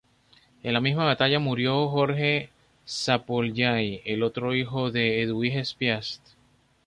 En la misma batalla murió Jorge Szapolyai, el otro hijo de Eduviges Piast.